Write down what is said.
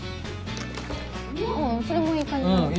それもいい感じだね。